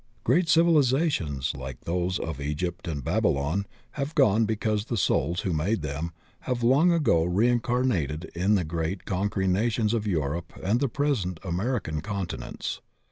Great civilizations like those of Egypt and Babylon have gone because the souls who made them have long ago reincarnated in the great conquering nations of Europe and the present Amer ican continents.